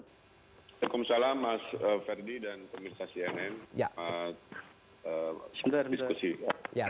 waalaikumsalam mas ferdi dan komitasi nm